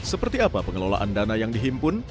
seperti apa pengelolaan dana yang dihimpun